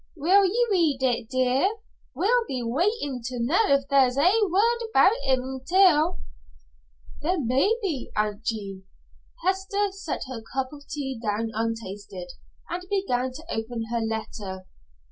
"Will ye read it, dear? We'll be wantin' to know if there's ae word about him intil't." "There may be, Aunt Jean." Hester set her cup of tea down untasted, and began to open her letter.